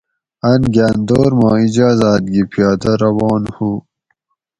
اۤن گاۤن دور ما اِجازاۤت گی پیادہ روان ہُو